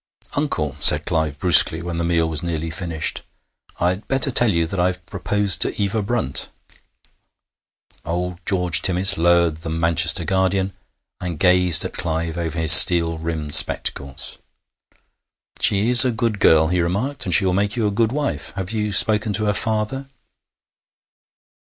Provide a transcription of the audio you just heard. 'Uncle,' said Clive brusquely, when the meal was nearly finished, 'I'd better tell you that I've proposed to Eva Brunt.' Old George Timmis lowered the Manchester Guardian and gazed at Clive over his steel rimmed spectacles. 'She is a good girl,' he remarked; 'she will make you a good wife. Have you spoken to her father?'